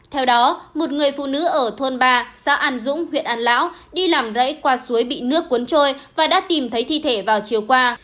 theo đó một người phụ nữ ở thôn ba xã an dũng huyện an lão đi làm rẫy qua suối bị nước cuốn trôi và đã tìm thấy thi thể vào chiều qua